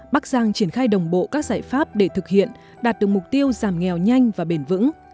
bắc giang triển khai đồng bộ các giải pháp để thực hiện đạt được mục tiêu giảm nghèo nhanh và bền vững